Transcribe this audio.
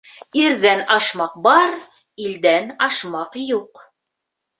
Ирҙән ашмаҡ бар, илдән ашмаҡ юҡ.